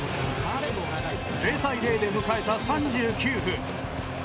０対０で迎えた３９分。